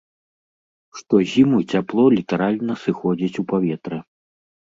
Штозіму цяпло літаральна сыходзіць у паветра.